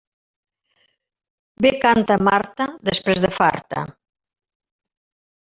Bé canta Marta després de farta.